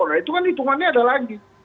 nah itu kan hitungannya ada lagi